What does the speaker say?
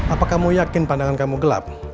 apakah kamu yakin pandangan kamu gelap